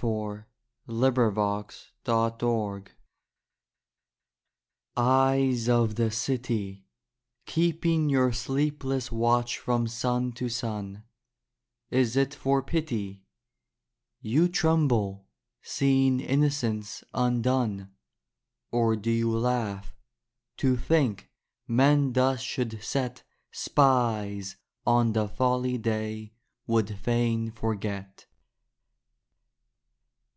The Street Lamps Eyes of the city, Keeping your sleepless watch from sun to sun, Is it for pity You tremble, seeing innocence undone; Or do you laugh, to think men thus should set Spies on the folly day would fain forget?